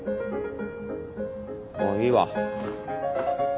もういいわ。